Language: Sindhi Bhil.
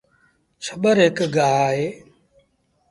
ڇٻر هڪ گآه اهي